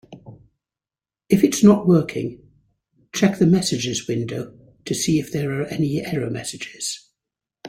If it's not working, check the messages window to see if there are any error messages.